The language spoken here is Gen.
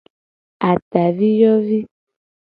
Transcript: Ataviyovi.